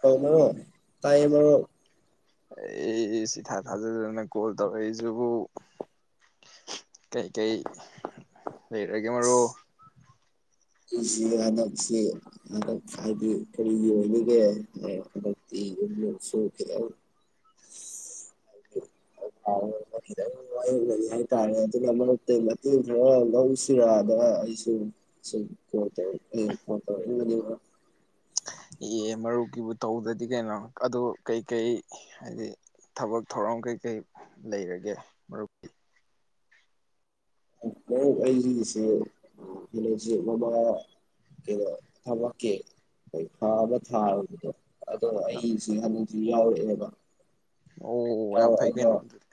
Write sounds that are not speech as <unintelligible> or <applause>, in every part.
Hello ꯇꯥꯏꯌꯦ ꯃꯔꯨꯞ ꯑꯩꯁ ꯏꯊꯥ ꯊꯥꯖꯗꯅ ꯀꯣꯜ ꯇꯧꯔꯛꯏꯁꯤꯕꯨ ꯀꯩꯀꯩ ꯂꯩꯔꯒꯦ ꯃꯔꯣ ꯑꯩꯁꯤ ꯍꯟꯗꯛꯁꯤ ꯍꯟꯗꯛ ꯍꯥꯏꯗꯤ ꯀꯔꯤꯒꯤ ꯑꯣꯏꯔꯤꯒꯦ ꯍꯟꯗꯛꯇꯤ ꯌꯨꯝꯁꯨ ꯈꯤꯇꯪ ꯈꯤꯇꯪ ꯃꯌꯣꯛꯅꯔꯤ ꯍꯥꯏꯇꯥꯔꯦ ꯑꯗꯨꯅ ꯃꯔꯛꯇ ꯃꯇꯦꯡ ꯈꯔ ꯂꯧꯁꯤꯔꯥꯗ ꯑꯩꯁꯨ ꯁꯨꯝ ꯀꯣꯜ ꯇꯧꯄꯩ ꯀꯣꯜ ꯇꯧꯔꯝꯕꯅꯤ ꯃꯔꯨꯞ ꯏ ꯃꯔꯨꯞꯀꯤꯕꯨ ꯇꯧꯗ꯭ꯔꯗꯤ ꯀꯩꯅꯣ ꯑꯗꯨ ꯀꯩꯀꯩ ꯍꯥꯏꯗꯤ ꯊꯕꯛ ꯊꯧꯔꯝ ꯀꯩꯀꯩ ꯂꯩꯔꯒꯦ ꯃꯔꯨꯞꯀꯤ ꯃꯔꯨ ꯑꯩꯒꯤꯁꯤ <unintelligible> ꯃꯃꯥ ꯀꯩꯅꯣ ꯊꯕꯛꯀꯤ ꯄꯩꯈꯥ ꯑꯃ ꯊꯥꯕꯒꯤꯗꯣ ꯑꯗꯣ ꯑꯩꯁꯤ ꯍ ꯌꯥꯎꯔꯛꯑꯦꯕ ꯑꯣ ꯌꯥꯝ ꯐꯩ ꯌꯥꯎꯔꯛꯑꯒ ꯀꯩꯅꯣ ꯑꯗꯨꯗꯤ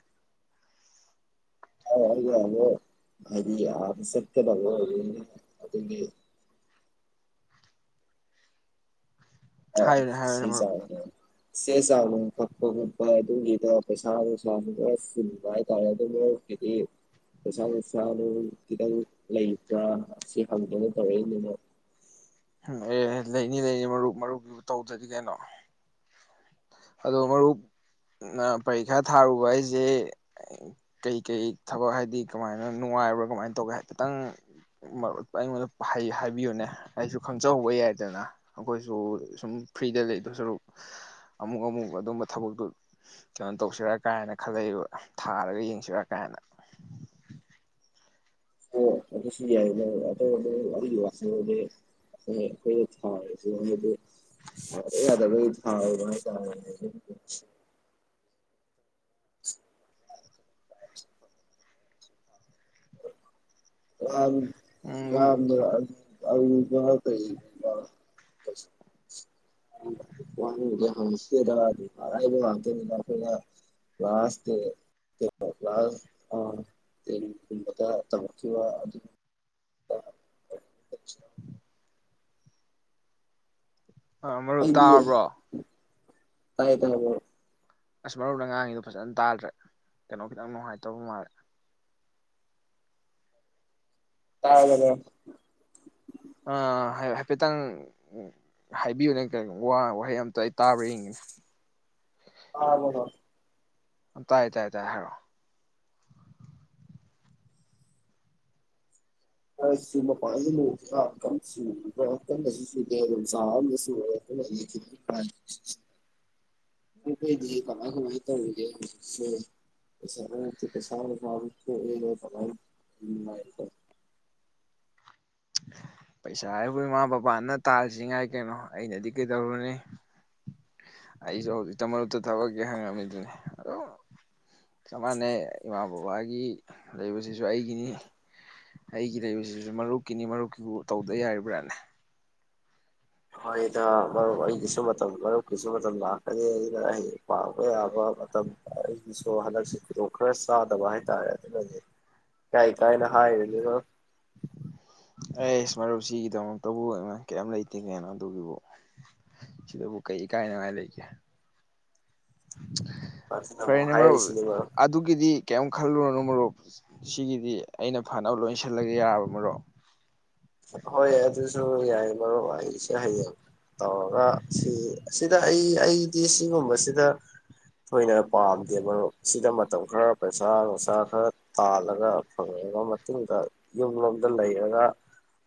<inaudible> ꯑꯥꯗ ꯆꯠꯀꯗꯕ ꯑꯣꯏꯕꯩꯅꯤ ꯑꯗꯨꯒꯤ ꯍꯥꯏꯔ ꯍꯥꯏꯔꯅꯦ ꯆꯦ ꯃꯔꯨꯞ ꯆꯥꯡ ꯆꯦ ꯆꯥꯡ ꯅꯨꯡ ꯀꯛꯄ ꯈꯣꯠꯄ ꯑꯗꯨꯒꯤꯗꯣ ꯄꯩꯁꯥ ꯅꯨꯡꯁꯥ ꯅꯨꯡ ꯈ ꯐꯨꯟꯕ ꯍꯥꯏꯇꯥꯔꯦ ꯑꯗꯨꯅ ꯍꯥꯏꯗꯤ ꯄꯩꯁꯥ ꯅꯨꯡꯁꯥ ꯅꯨꯡ ꯈꯤꯇꯪ ꯂꯩꯕ꯭ꯔꯥ ꯁꯤ ꯍꯪꯗꯅ ꯇꯧꯔꯛꯏꯅꯤꯅꯣ ꯑꯦ ꯂꯩꯅꯤ ꯂꯩꯅꯤ ꯃꯔꯨꯞ ꯃꯔꯨꯞꯀꯤꯕꯨ ꯇꯧꯗ꯭ꯔꯗꯤ ꯀꯩꯅꯣ ꯑꯗꯣ ꯃꯔꯨꯞ ꯄꯔꯤꯈꯥ ꯊꯥꯔꯨꯕ ꯍꯥꯏꯁꯦ ꯀꯩꯀꯩ ꯊꯕꯛ ꯍꯥꯏꯗꯤ ꯀꯃꯥꯏꯅ ꯅꯨꯡꯉꯥꯏꯕ꯭ꯔꯥ ꯀꯃꯥꯏꯅ ꯇꯧꯒꯦ ꯍꯥꯏꯐꯦꯠꯇꯪ ꯑꯩꯉꯣꯟꯗ ꯍꯥꯏꯕꯤꯌꯨꯅꯦ ꯑꯩꯁꯨ ꯈꯪꯖꯍꯧꯕ ꯌꯥꯏꯗꯅ ꯑꯩꯈꯣꯏꯁꯨ ꯁꯨꯝ ꯐ꯭ꯔꯤꯗ ꯂꯩꯗꯣ ꯁꯔꯨꯛ ꯑꯃꯨꯛ ꯑꯃꯨꯛ ꯑꯗꯨꯝꯕ ꯊꯕꯛꯇꯨ ꯀꯩꯅꯣ ꯇꯧꯁꯤꯔ ꯀꯥꯏꯅ ꯈꯜꯂꯩꯕ ꯊꯥꯔꯒ ꯌꯦꯡꯁꯤꯔ ꯀꯥꯏꯅ ꯑꯣ ꯗꯨꯁꯨ ꯌꯥꯏ ꯕꯥꯏ ꯗꯗ <unintelligible> ꯑꯗꯨꯒꯤ <inaudible> ꯋꯥꯁꯨꯗꯤ ꯊꯥꯗ ꯌꯥꯗꯕꯩ ꯊꯥꯕꯅꯤ ꯍꯥꯏ ꯇꯥꯔꯦꯅ <unintelligible> ꯑ ꯎꯝ ꯂꯗ <inaudible> <unintelligible> <inaudible> <inaudible> <unintelligible> ꯑꯔꯥꯏꯕ ꯉꯥꯛ ꯇꯅꯤꯗ ꯑꯈꯣꯏꯅ ꯀ꯭ꯂꯥꯁ ꯇꯦꯟ <inaudible> ꯀ꯭ꯂꯥꯁ ꯕꯗ ꯇꯧꯔꯛꯈꯤꯕ ꯑꯗꯨ <inaudible> ꯑ ꯃꯔꯨꯞ ꯑꯩꯗꯤ ꯇꯥꯔꯕ꯭ꯔꯣ ꯇꯥꯏ ꯇꯥꯏꯑꯦ ꯑꯁ ꯃꯔꯣꯝꯗ ꯉꯥꯡꯉꯤꯗꯣ ꯐꯖꯅ ꯇꯥꯗ꯭ꯔꯦ ꯀꯩꯅꯣ ꯈꯤꯇꯪ ꯅꯨꯡꯉꯥꯏꯇꯕ ꯃꯥꯜꯂꯦ ꯇꯥꯔꯕ ꯃꯔꯨꯞ ꯑꯥ ꯍꯥꯏꯐꯦꯠꯇꯪ ꯍꯥꯏꯕꯤꯌꯨꯅꯦ ꯋꯥꯍꯩ ꯑꯝꯇ ꯑꯩ ꯇꯥꯕ꯭ꯔꯥ ꯌꯦꯡꯒꯅꯤ ꯑ ꯍꯣ ꯍꯣ ꯇꯥꯏ ꯇꯥꯏꯌꯦ ꯇꯥꯏ ꯍꯥꯏꯔꯛꯑꯣ ꯆꯃ ꯄ ꯂꯔꯨ ꯁꯨ ꯀ ꯀꯩꯗꯤ ꯀꯂ ꯍ ꯁꯦ <unintelligible> ꯄꯩꯁꯥ ꯑꯩꯈꯣꯏ ꯏꯃꯥ ꯕꯕꯥꯅ ꯇꯥꯔꯤꯁꯤ ꯉꯥꯏ ꯀꯩꯅꯣ ꯑꯩꯅꯗꯤ ꯀꯩꯗꯧꯔꯨꯅꯤ ꯑꯩꯁꯨ ꯍꯧꯖꯤꯛꯇ ꯃꯔꯛꯇ ꯊꯕꯛꯀꯤꯦ ꯍꯪꯉꯝꯃꯤꯗꯨꯅꯦ ꯑꯣ ꯆꯞꯃꯟꯅꯩ ꯏꯃꯥ ꯕꯕꯥꯒꯤ ꯂꯩꯕꯁꯤꯁꯨ ꯑꯩꯒꯤꯅꯤ ꯑꯩꯒꯤ ꯂꯩꯕꯁꯤꯁꯨ ꯃꯔꯨꯞꯀꯤꯅꯤ ꯃꯔꯨꯞꯀꯤꯕꯨ ꯇꯧꯗ ꯌꯥꯔꯤꯕ꯭ꯔꯥꯅꯦ ꯍꯣꯏꯗ ꯃꯔꯨꯞ ꯑꯩꯒꯤꯁꯨ ꯃꯇꯝ ꯃꯔꯨꯞꯀꯤꯁꯨ ꯃꯇꯝ ꯂꯥꯛꯀꯅꯤ ꯑꯗꯨꯅ ꯑꯩ ꯄꯥꯕ ꯌꯥꯕ ꯃꯇꯝ ꯑꯩꯒꯤꯁꯨ ꯍꯟꯗꯛꯁꯦ ꯈꯨꯗꯣꯡ ꯈꯔ ꯆꯥꯗꯕ ꯍꯥꯏꯇꯥꯔꯦ ꯑꯗꯨꯅꯅꯦ ꯀꯥꯏ ꯀꯥꯏꯅ ꯍꯥꯏꯅꯦ ꯑꯦ ꯏꯁꯃꯔꯨꯞꯁꯤꯒꯤꯗꯃꯛꯇ ꯇꯕꯨ ꯑꯅ ꯀꯌꯥꯝ ꯂꯩꯇꯦꯒꯦꯅꯣ ꯑꯗꯨꯒꯤꯕꯨ ꯁꯤꯗꯕꯨ ꯀꯩ ꯏꯀꯥꯏꯅꯉꯥꯏ ꯂꯩꯒꯦ ꯑꯗꯨꯅ ꯑꯃꯨꯛ ꯐꯔꯦꯅꯦ ꯃꯔꯨꯞ ꯍꯥꯏꯔꯛꯏꯁꯤꯅꯤ ꯑꯗꯨꯒꯤꯗꯤ ꯀꯤꯝ ꯈꯜꯂꯨꯔꯅꯨ ꯃꯔꯨꯞ ꯁꯤꯒꯤꯗꯤ ꯑꯩꯅ ꯐꯅꯕ ꯂꯣꯏꯁꯤꯜꯂꯒ ꯌꯥꯔꯕꯃꯣ ꯍꯣꯏ ꯑꯗꯨꯁꯨ ꯌꯥꯏ ꯃꯔꯨꯞ ꯑꯩꯁꯦ ꯍꯌꯦꯡ ꯇꯧꯔꯒ ꯁꯤ ꯁꯤꯗ ꯑꯩ ꯇ ꯁꯤꯒꯨꯝꯕꯁꯤꯗ ꯊꯣꯏꯅ ꯄꯥꯝꯗꯦ ꯃꯔꯨꯞ ꯁꯤꯗ ꯃꯇꯝ ꯈꯔ ꯄꯩꯁꯥ ꯅꯨꯡꯁꯥ ꯈꯔ ꯇꯥꯜꯂꯒ ꯐꯪꯉꯛꯑꯕ ꯃꯇꯨꯡꯗ ꯌꯨꯝ ꯂꯣꯝꯗ ꯂꯩꯔꯒ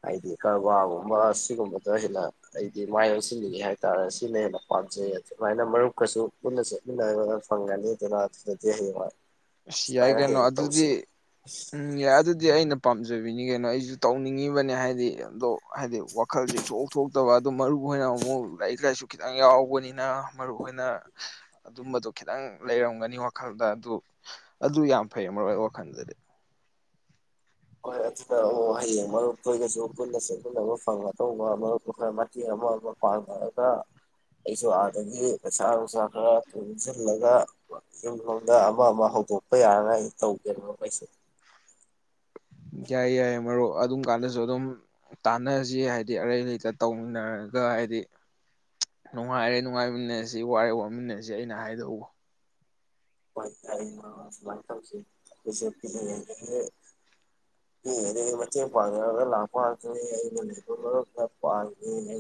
ꯍꯥꯏꯗꯤ ꯀꯔꯕꯥꯔꯒꯨꯝꯕ ꯁꯤꯒꯨꯝꯕꯗꯣ ꯍꯦꯟꯅ ꯑꯩꯗꯤ ꯃꯥꯏ ꯑꯣꯟꯁꯤꯟꯜꯂꯤꯉꯤ ꯍꯥꯏꯇꯥꯔꯦ ꯁꯤꯅ ꯍꯦꯟꯅ ꯄꯥꯝꯖꯩ ꯑꯗꯨꯃꯥꯏꯅ ꯃꯔꯨꯞꯀꯁꯨ ꯄꯨꯟꯅ ꯆꯠꯃꯤꯟꯅꯔꯅ ꯐꯪꯒꯅꯤꯗꯅ ꯑꯗꯨꯗꯗꯤ ꯍꯌꯦꯡ ꯑꯁ ꯌꯥꯏ ꯁꯨꯃꯥꯏꯅ ꯀꯩꯅꯣ ꯑꯗꯨꯗꯤ ꯇꯧꯁꯤ ꯎꯝ ꯌꯥꯏ ꯑꯗꯨꯗꯤ ꯑꯩꯅ ꯄꯥꯝꯖꯩ ꯎꯖꯕꯤꯅꯤ ꯀꯩꯅꯣ ꯑꯩꯁꯨ ꯇꯧꯅꯤꯡꯉꯤꯕꯅꯦ ꯍꯥꯏꯗꯤ ꯑꯗꯣ ꯍꯥꯏꯗꯤ ꯋꯥꯈꯜꯁꯦ ꯊꯣꯛ ꯊꯣꯛꯇꯕ ꯑꯗꯣ ꯃꯔꯨ ꯑꯣꯢꯅ ꯑꯃꯨꯛ ꯂꯥꯏꯔꯤꯛ ꯂꯥꯏꯁꯨ ꯈꯤꯇꯪ ꯌꯥꯎꯕꯅꯤꯅ ꯃꯔꯨꯞꯍ‌ꯣꯢꯅ ꯑꯗꯨꯝꯕꯗꯣ ꯈꯤꯇꯪ ꯂꯩꯔꯝꯒꯅꯤ ꯋꯥꯈꯜꯗ ꯑꯗꯨ ꯑꯗꯨ ꯌꯥꯝ ꯐꯩ ꯃꯔꯨꯞ ꯑꯩ ꯋꯥꯈꯜꯗꯗꯤ ꯍꯣꯏ ꯑꯗꯨꯗ ꯑꯣ ꯍꯌꯦꯡ ꯃꯔꯨꯞꯇꯨꯒꯁꯨ ꯄꯨꯟꯅ ꯆꯦꯟꯃꯤꯟꯅꯕ ꯐꯪꯒꯗꯧꯕ ꯃꯔꯨꯞꯄꯨ ꯈꯔ ꯃꯇꯦꯡ ꯑꯃ ꯑꯃ ꯄꯥꯡꯅꯔꯒ ꯑꯩꯁꯨ ꯑꯥꯗꯒꯤ ꯄꯩꯁꯥ ꯅꯨꯡꯁꯥ ꯈꯔ ꯇꯨꯡꯁꯤꯜꯂꯒ ꯌꯨꯝꯂꯣꯝꯗ ꯑꯃ ꯑꯃ ꯍꯧꯗꯣꯛꯄ ꯌꯥꯅꯉꯥꯏ ꯑꯩ ꯇꯧꯒꯦꯕ ꯑꯩꯩꯁꯦ ꯌꯥꯏ ꯌꯥꯏ ꯃꯔꯨꯞ ꯑꯗꯨꯝ ꯀꯥꯟꯗꯁꯨ ꯑꯗꯨꯝ ꯇꯥꯟꯅꯁꯤ ꯍꯥꯏꯗꯤ ꯑꯔꯩ ꯂꯩꯇ ꯇꯧꯃꯤꯟꯅꯔꯒ ꯍꯥꯏꯗꯤ ꯅꯨꯡꯉꯥꯏꯔꯦ ꯅꯨꯡꯉꯥꯏꯃꯤꯟꯅꯔꯁꯤ ꯋꯥꯔꯦ ꯋꯥꯃꯤꯟꯅꯁꯤ ꯑꯩꯅ ꯍꯥꯏꯗꯧꯕ ꯍ‌ꯣꯢ <unintelligible> ꯇꯧꯁꯤ <unintelligible> ꯄꯤꯛꯂꯤꯉꯩꯗꯒꯤ ꯃꯇ‌ꯦꯡ ꯄꯥꯡꯅꯔꯒ ꯂꯥꯛꯄ ꯉꯥꯛꯇꯅꯤ <unintelligible> ꯃꯔꯨꯞꯅ ꯄꯥꯡꯒ‌ꯦ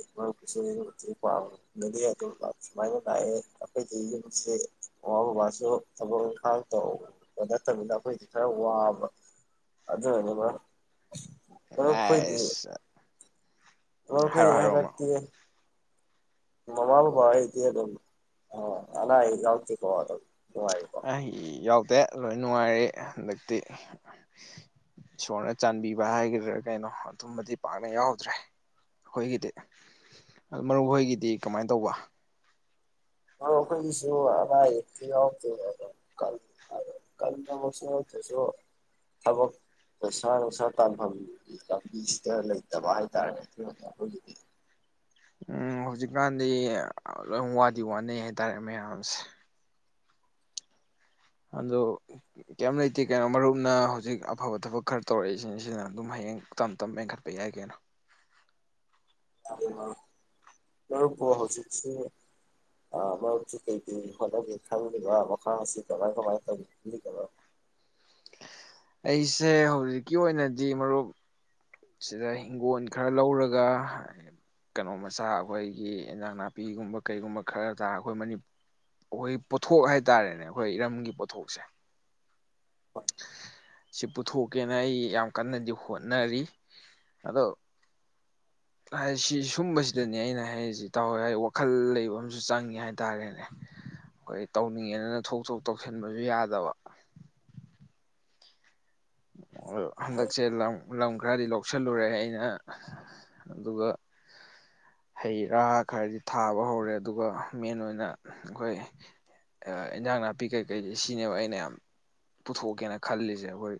<unintelligible> ꯄꯥꯡꯒꯅꯤ ꯑꯗꯨꯝ ꯁꯨꯃꯥꯢꯅ‌ ꯇꯥꯢꯌ‌ꯦ ꯑꯈ‌ꯣꯢꯗꯤ ꯌꯨꯝꯁ‌ꯩ ꯃꯃꯥ ꯕꯕꯥꯁꯨ ꯊꯕꯛ ꯏꯪꯈꯥꯡ ꯇꯧꯕ ꯅꯠꯇꯕꯤꯗ ꯑꯩꯈꯣꯏꯗꯤ ꯈꯔ ꯋꯥꯕ ꯑꯗꯨꯅꯅꯤ ꯃꯔꯨꯞ ꯃꯔꯨꯞ ꯈꯣꯏꯗꯤ ꯑꯁ <unintelligible> ꯍꯥꯏꯔꯣ ꯍꯥꯏꯔꯣ ꯃꯃꯥ ꯃꯔꯨꯞ ꯕꯕꯥ ꯍ‌ꯣꯏꯗꯤ ꯑꯗꯨꯝ ꯑ ꯑꯅꯥ ꯑꯌ‌ꯦꯛ ꯌꯥꯎꯗ‌ꯦꯀ‌ꯣ ꯑ ꯌꯥꯎ ꯗꯦ ꯂꯣꯏ ꯅꯨꯡꯉꯥꯏꯔ ꯍꯟꯗꯛꯇꯤ ꯏꯁꯣꯔꯅ ꯆꯥꯟꯕꯤꯕ ꯍꯥꯏꯒꯗ꯭ꯔꯥ ꯀꯩꯅꯣ ꯑꯗꯨꯝꯕꯗꯤ ꯄꯥꯛꯅ ꯌꯥꯎꯗ꯭ꯔꯦ ꯑꯩꯈꯣꯏꯒꯤꯗꯤ ꯑꯗꯨ ꯃꯔꯨ ꯍꯣꯏꯒꯤꯗꯤ ꯀꯃꯥꯏꯅ ꯇꯧꯕ ꯑ ꯑꯩꯈꯣꯏꯒꯤꯁꯨ ꯑꯅꯥ ꯑꯌꯦꯛꯛꯇ ꯌꯥꯎꯗꯦ ꯑꯗꯨꯝ ꯑ ꯀꯟ ꯊꯕꯁꯨ ꯌꯥꯎꯗ꯭ꯔꯁꯨ ꯊꯕꯛ ꯄꯩꯁꯥ ꯅꯨꯡꯁꯥ ꯇꯥꯟꯐꯝꯒꯤ ꯂꯝꯕꯤꯁꯤꯗ ꯂꯩꯇꯕ ꯍꯥꯏꯇꯥꯥꯔꯦ ꯑꯗꯨ ꯑꯩꯈꯣꯏꯒꯤꯗꯤ ꯎꯝ ꯍꯧꯖꯤꯛꯀꯥꯟꯗꯤ ꯂꯣꯏ ꯋꯥꯗꯤ ꯋꯥꯅꯩ ꯍꯥꯏꯇꯥꯔꯦ ꯃꯌꯥꯝꯁꯦ ꯑꯗ‌ꯣ ꯀꯔꯤꯝ ꯂꯩꯇꯦ ꯀꯩꯅꯣ ꯃꯔꯨꯞꯅ ꯍꯧꯖꯤꯛ ꯑꯐꯕ ꯊꯕꯛ ꯈꯔ ꯇꯧꯔꯛꯏꯁꯤꯅ ꯁꯤꯅ ꯑꯗꯨꯝ ꯍꯌꯦꯡ ꯇꯞ ꯇꯞ ꯃꯦꯟꯈꯠꯄ ꯌꯥꯏ ꯀꯩꯅꯣ ꯃꯔꯨꯞꯄꯨ ꯄꯨ ꯍꯧꯖꯤꯛꯁꯤ ꯑ ꯃꯔꯨꯞꯁ‌ꯦ ꯀꯩ ꯀꯩ ꯍ‌ꯣꯠꯅꯒ‌ꯦ ꯈꯜꯂꯤꯕ ꯑ ꯈꯥꯁꯤ ꯀꯃꯥꯏ ꯀꯃꯥꯏ <unintelligible> ꯑꯩꯁꯦ ꯍꯧꯖꯤꯛꯀꯤ ꯑꯣꯏꯅꯗꯤ ꯃꯔꯨꯞ ꯁꯤꯗ ꯍꯤꯡꯒꯣꯜ ꯈꯔ ꯂꯧꯔꯒ ꯀꯩꯅꯣ ꯃꯆꯥ ꯑꯩꯈꯣꯏꯒꯤ ꯏꯟꯖꯥꯡ ꯅꯥꯄꯤꯒꯨꯝꯕ ꯀꯩꯒꯨꯝꯕ ꯈꯔ ꯇ ꯑꯩꯈꯣꯏ ꯑꯩꯈꯣꯏ ꯄꯣꯊꯣꯛ ꯍꯥꯏꯇꯥꯔꯦꯅꯦ ꯑꯩꯈꯣꯏ ꯏꯔꯝꯒꯤ ꯄꯣꯠꯊꯣꯛꯁꯦ ꯁꯤ ꯄꯨꯊꯣꯛꯀꯦꯅ ꯑꯩ ꯌꯥꯝ ꯀꯟꯅꯗꯤ ꯍꯣꯠꯅꯔꯤ ꯑꯗꯣ ꯁꯤ ꯁꯨꯝꯕꯁꯤꯗꯅꯦ ꯑꯩꯅ ꯍꯥꯏꯔꯤꯁꯤ ꯇꯧꯋꯦ ꯋꯥꯈꯜ ꯂꯩꯕ ꯑꯃꯁꯨ ꯆꯪꯉꯦ ꯍꯥꯏ ꯇꯔꯦꯅꯦ ꯑꯩꯈꯣꯏ ꯇꯧꯅꯤꯡꯉꯦꯗꯅ ꯊꯣꯛ ꯊꯣꯛ ꯇꯧꯁꯤꯟꯕꯁꯨ ꯌꯥꯗꯕ ꯍꯟꯗꯛꯁꯦ ꯂꯝ ꯂꯝ ꯈꯔꯗꯤ ꯂꯧꯁꯤꯜꯂꯨꯔꯦ ꯑꯩꯅ ꯑꯗꯨꯒ ꯍꯩ ꯔꯥꯥ ꯈꯔꯗꯤ ꯊꯥꯕ ꯍꯧꯔꯦ ꯑꯗꯨꯒ ꯃꯦꯟ ꯑꯣꯏꯅ ꯑꯩꯈꯣꯏ ꯏꯟꯖꯥꯡ ꯅꯥꯄꯤ ꯀꯩꯀꯩꯗꯤ ꯁꯤꯅꯦꯕ ꯑꯩꯅ ꯌꯥꯝ ꯄꯨꯊꯣꯛꯀꯦꯅ ꯈꯜꯂꯤꯁꯦ ꯑꯩꯈꯣꯏ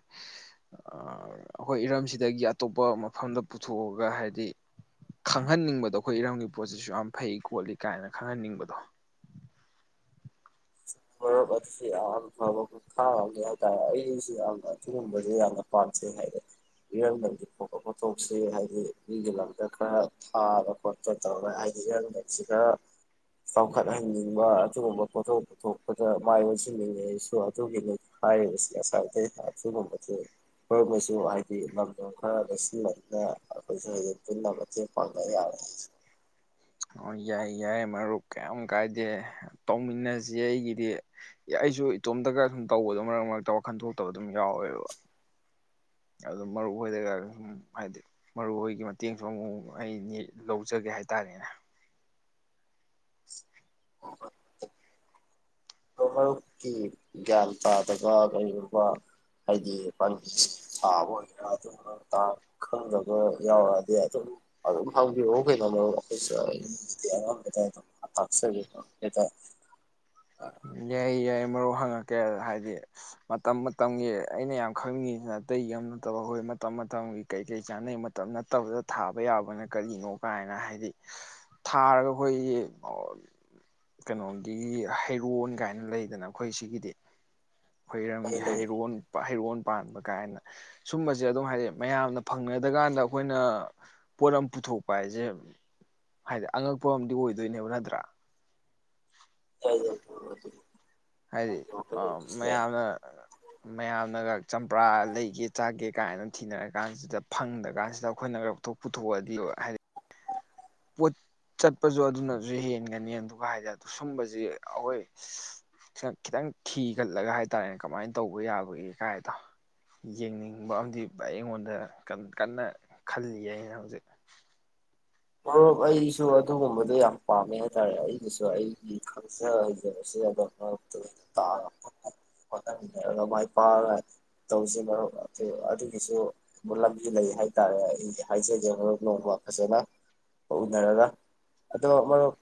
ꯑꯩꯈꯣꯏ ꯏꯔꯝꯁꯤꯗꯒꯤ ꯑꯇꯣꯞꯄ ꯃꯐꯝꯗ ꯄꯨꯊꯣꯛꯑꯒ ꯍꯥꯏꯗꯤ ꯈꯪꯍꯟꯅꯤꯡꯕꯗꯣ ꯑꯩꯈꯣꯏ ꯏꯔꯝꯒꯤ ꯄꯣꯠꯁꯤꯁꯨ ꯌꯥꯝ ꯐꯩ ꯈꯣꯠꯂꯤ ꯀꯥꯏꯅ ꯈꯪꯍꯟꯅꯤꯡꯕꯗꯣ ꯃꯔꯨꯞ ꯑꯗꯨꯁꯨ ꯌꯥꯝ ꯐꯕ ꯈ ꯈꯥꯡꯝꯅꯤ ꯍꯥꯏꯇꯥꯔꯦ ꯑꯩꯁꯨ ꯌꯥꯝꯅ ꯑꯗꯨꯒꯨꯝꯕꯁꯦ ꯌꯥꯝꯅ ꯄꯥꯝꯖꯩ ꯍꯥꯏꯗꯤ ꯏꯔꯝꯗꯝꯒꯤ ꯄꯣꯊꯣꯛꯁꯤ ꯍꯥꯏꯗꯤ ꯃꯤꯒꯤ ꯂꯝꯗ ꯈꯔ ꯊꯥꯕ ꯈꯣꯠꯄ ꯇꯧꯔ ꯍꯥꯏꯗꯤ ꯏꯔꯝꯗꯝꯁꯤ ꯈꯔ ꯆꯥꯎꯈꯠꯍꯟꯅꯤꯡꯕ ꯑꯗꯨꯒꯨꯝꯕ ꯄꯣꯊꯣꯛ ꯄꯨ ꯊꯣꯛꯄꯗ ꯃꯥꯏ ꯑꯣꯟꯁꯤꯟꯅꯤꯡꯉꯩꯁꯨ ꯑꯗꯨꯒꯤꯅꯤ ꯍꯥꯏꯔꯤꯕꯁꯤ ꯉꯁꯥꯏꯗꯩ ꯑꯗꯨꯒꯨꯝꯕ ꯑꯣꯏꯔꯃꯁꯨ ꯍꯥꯏꯗꯤ ꯂꯝꯗꯝ ꯈꯔ ꯂꯧꯁꯤꯟꯟꯅꯗꯨꯅ ꯑꯩꯈꯣꯏꯁꯨ ꯍꯝ ꯄꯨꯟꯅ ꯃꯇꯦꯡ ꯄꯥꯡꯕ ꯌꯥꯔꯦ ꯑꯣ ꯌꯥꯏ ꯌꯥꯏ ꯃꯔꯨꯞ ꯀꯌꯥꯝ ꯀꯥꯏꯗꯦ ꯇꯧꯃꯤꯟꯅꯁꯦ ꯑꯩꯒꯤꯗꯤ ꯑꯩꯁꯨ ꯏꯇꯣꯝꯇꯒ ꯁꯨꯝ ꯇꯧꯕꯗꯣ ꯃꯔꯛ ꯃꯔꯛꯇ ꯋꯥꯈꯟ ꯊꯣꯛꯇꯕ ꯑꯗꯨꯝ ꯌꯥꯎꯋꯦꯕ ꯑꯗꯨ ꯃꯔꯨ ꯑꯣꯏꯗꯒ ꯁꯨꯝ ꯍꯥꯏꯗꯤ ꯃꯔꯨ ꯍꯒꯤ ꯃꯇꯦꯡꯁꯨ ꯑꯃꯨꯛ ꯑꯩ ꯂꯧꯖꯒꯦ ꯍꯥꯏꯇꯥꯔꯦꯅꯦ ꯑꯣ ꯃꯔ ꯃꯔꯨꯞꯀꯤ ꯒ꯭ꯌꯥꯟ ꯇꯥꯗꯕ ꯀꯔꯤꯒꯨꯝꯕ ꯍꯥꯏꯗꯤ ꯄꯥꯟꯕꯤ ꯊꯥꯕ ꯑꯣꯏꯒꯦꯔꯥ ꯑꯗꯨ ꯈꯪꯗꯕ ꯌꯥꯎꯔꯛꯑꯗꯤ ꯑꯗꯨꯝ ꯑꯗꯨꯝ ꯍꯪꯕꯤꯌꯎ ꯀꯩꯅꯣ ꯃꯔ ꯑꯩꯈꯣꯏꯁꯨ ꯑꯌꯥꯝꯥꯟꯕꯗ ꯑꯗꯨꯝ ꯇꯥꯛꯆꯒꯗ ꯌꯥꯏ ꯌꯥꯏ ꯃꯔꯨꯞ ꯍꯪꯉꯛꯀꯦ ꯍꯥꯏꯗꯤ ꯃꯇꯝ ꯃꯇꯝꯒꯤ ꯑꯩꯅ ꯌꯥꯝ ꯈꯪꯅꯤꯡꯉꯤꯁꯤꯅ ꯑꯇꯩ ꯌꯥꯝ ꯅꯠꯇꯕ ꯑꯩꯈꯣꯏ ꯃꯇꯝ ꯃꯇꯝꯒꯤ ꯀꯩꯀꯩ ꯆꯥꯅꯩ ꯃꯇꯝ ꯅꯠꯇꯕꯗ ꯊꯥꯕ ꯌꯥꯕꯅ ꯀꯔꯤꯅꯣ ꯀꯥꯏꯅ ꯍꯥꯏꯗꯤ ꯊꯥꯔꯒ ꯑꯩꯈꯣꯏꯒꯤ ꯀꯩꯅꯣꯒꯤ ꯔꯣꯟ ꯀꯥꯏꯅ ꯂꯩꯗꯅ ꯑꯩꯈꯣꯏ ꯁꯤꯒꯤꯗꯤ ꯑꯩ ꯑꯩꯈꯣꯏꯔꯝꯒꯤ ꯂꯩ ꯍꯩꯔꯣꯟ ꯍꯩꯔꯣꯟ ꯄꯥꯟꯕ ꯀꯥꯏꯅ ꯁꯨꯝꯕꯁꯦ ꯑꯗꯨꯝ ꯍꯥꯏꯗꯤ ꯃꯌꯥꯝꯅ ꯐꯪꯅꯗꯀꯥꯟꯗ ꯑꯩꯈꯣꯏꯅ ꯄꯣꯠ ꯑꯃ ꯄꯨꯊꯣꯛꯄ ꯍꯥꯏꯁꯦ ꯍꯥꯏꯗꯤ ꯑꯉꯛꯄ ꯑꯝ ꯑꯣꯏꯗꯣꯏꯅꯦꯕ ꯅꯠꯇ꯭ꯔꯥ <inaudible> <unintelligible> ꯍꯥꯏꯗꯤ ꯃꯔꯨꯞꯀꯤ ꯑ ꯋꯥꯈꯜꯂꯣꯟꯗꯨꯁꯨ ꯌꯥꯏ ꯃꯌꯥꯝꯅ ꯃꯌꯥꯝꯅꯒ ꯆꯝꯄ꯭ꯔꯥ ꯂꯩꯒꯦ ꯆꯥꯒꯦ ꯀꯥꯏꯅ ꯊꯤꯅꯔ ꯀꯥꯟꯁꯤꯗ ꯐꯪꯗꯀꯥꯟꯁꯤꯗ ꯑꯩꯈꯣꯏꯅꯒ ꯂꯧꯊꯣꯛ ꯄꯨꯊꯣꯛꯑꯗꯤ ꯍꯥꯏꯗꯤ ꯄꯣꯠ ꯆꯠꯄꯁꯨ ꯑꯗꯨꯅꯁꯨ ꯍꯦꯟꯒꯅꯤ ꯑꯗꯨꯒ ꯍꯥꯏꯗ ꯁꯨꯝꯕꯁꯤ ꯑꯩꯈꯣꯏ ꯈꯤꯇꯪ ꯊꯤꯒꯠꯂꯒ ꯍꯥꯏꯇꯥꯥꯔꯦꯅꯦ ꯀꯃꯥꯏꯅ ꯇꯧꯕ ꯌꯥꯕꯒꯦ ꯀꯥꯏꯗꯣ ꯌꯦꯡꯅꯤꯡꯕ ꯑꯃꯗꯤ ꯑꯩꯉꯣꯟꯗ ꯀꯟꯅ ꯈꯜꯂꯤ ꯑꯩꯅ ꯍꯧꯖꯤꯛ ꯃꯔꯨꯞ ꯑꯩꯁꯨ ꯑꯗꯨꯒꯨꯝꯕꯗꯣ ꯌꯥꯝ ꯄꯥꯝꯃꯦ ꯍꯥꯏ ꯇꯔꯦ ꯑꯩꯒꯤꯁꯨ ꯑꯩꯒꯤ ꯈꯪꯖꯥ ꯍꯩꯖꯕꯁꯦ ꯃꯔꯨꯞꯇ ꯇꯥꯛꯑꯒꯥ ꯍꯣꯠꯅꯃꯤꯟꯔꯒꯥ ꯃꯥꯏ ꯄꯥꯛꯑꯒ ꯇꯧꯁꯦ ꯃꯔꯨꯞ ꯑꯗꯨ ꯑꯗꯨꯒꯤꯁꯨ ꯂꯝꯕꯤ ꯂꯩ ꯍꯥꯏ ꯇꯔꯦ ꯑꯩꯒꯤ ꯍꯥꯏꯖꯒꯦ ꯃꯔꯨꯞ ꯅꯣꯡꯃ ꯐꯖꯅ ꯎꯅꯔꯒ ꯑꯗꯣ ꯃꯔꯨꯞ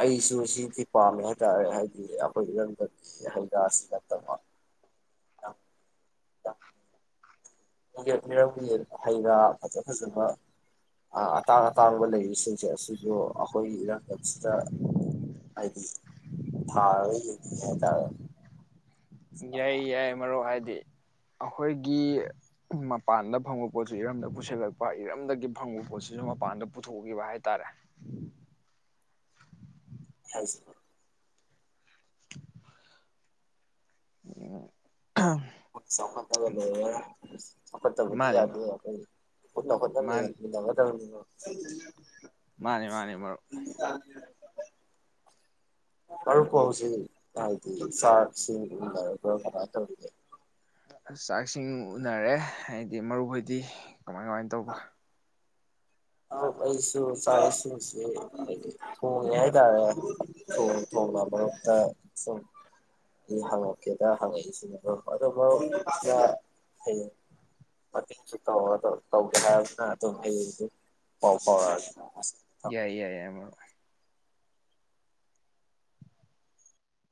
ꯑꯩꯁꯨ ꯁꯤꯗꯤ ꯄꯥꯝꯃꯦ ꯍꯥꯏꯇꯥꯥꯔꯦ ꯍꯥꯏꯗꯤ ꯑꯩꯈꯣꯏ ꯏꯔꯝꯗꯝꯒꯤ ꯍꯩ ꯔꯁꯤ ꯅꯠꯇꯕ ꯑ ꯑ ꯄꯀꯦꯠ ꯃꯤꯔꯝꯒꯤ ꯍꯩ ꯔꯥ ꯐꯖ ꯐꯖꯕ ꯑꯇꯥꯡ ꯑꯇꯥꯡꯕ ꯂꯩꯔꯤꯁꯤꯡꯁꯦ ꯑꯁꯤꯁꯨ ꯑꯩꯈꯣꯏꯒꯤ ꯏꯔꯝꯗꯝꯁꯤꯗ ꯍꯥꯏꯗꯤ ꯊꯥꯔꯒ ꯌꯦꯡꯅꯤꯉꯤ ꯍꯥꯏꯇꯥꯔꯦ ꯌꯥꯏ ꯁꯨꯃꯥꯏꯅ ꯌꯥꯏ ꯃꯔꯨꯞ ꯍꯥꯏꯗꯤ ꯑꯩꯈꯣꯏꯒꯤ ꯃꯄꯥꯟꯗ ꯐꯪꯕ ꯄꯣꯠꯁꯤ ꯏꯔꯝꯗ ꯄꯨꯁꯤꯜꯂꯛꯄ ꯏꯔꯝꯗꯒꯤ ꯐꯪꯕ ꯄꯣꯠꯁꯤꯁꯨ ꯃꯄꯥꯟꯗ ꯄꯨꯊꯣꯛꯈꯤꯕ ꯍꯥꯏꯇꯥꯔꯦ ꯑ ꯎꯝ ꯆꯥꯏꯈꯠꯇꯕꯗꯤ ꯃꯥꯅꯤ ꯌꯥꯗ° ꯄꯨꯟꯅꯥ ꯍꯣꯠꯅ ꯃꯥꯅꯤ ꯃꯤꯅꯒꯗꯕꯅꯤ ꯃꯔꯨꯞ <unintelligible> ꯃꯥꯅꯤ ꯃꯥꯅꯤ ꯃꯔꯨꯞ ꯃꯔꯨꯞꯄꯨ ꯍꯧꯖꯤꯛ ꯆꯥꯛ ꯏꯁꯤꯡ ꯎꯅꯔꯕꯣ ꯀꯃꯥꯏ ꯇꯧꯔꯤꯒꯦ꯫ ꯆꯥꯛ ꯏꯁꯤꯡ ꯎꯅꯔꯦ ꯍꯥꯏꯗꯤ ꯃꯔꯨꯞ ꯍꯣꯏꯗꯤ ꯀꯃꯥꯏ ꯀꯃꯥꯏꯅ ꯇꯧꯕ ꯑꯥꯎ ꯑꯩꯁꯨ ꯆꯥꯛ ꯏꯁꯤꯡꯁꯤ ꯑꯩꯗꯤ ꯊꯣꯡꯉꯦ ꯍꯥꯏꯇꯥꯔꯦ ꯊꯣꯡꯅ ꯊꯣꯡꯅ ꯃꯔꯛꯇ ꯁꯨꯝ ꯑꯩ ꯍꯪꯉꯛꯀꯦꯗ ꯍꯪꯉꯛꯏꯁꯤꯅꯦ ꯑꯗꯨꯕꯨ ꯃꯔꯨꯞ ꯍꯌꯦꯡ ꯃꯇꯦꯡ ꯈꯤꯇꯪ ꯇꯧꯒꯦ ꯍꯥꯏꯔꯒꯅ ꯑꯗꯨꯝ ꯍꯌꯦꯡ ꯄꯥꯎ ꯐꯥꯎꯔꯛꯑꯒꯦ ꯌꯥꯏ ꯌꯥꯏ ꯏꯌꯥꯝꯕ